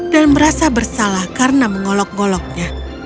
dan merasa bersalah karena mengolok ngoloknya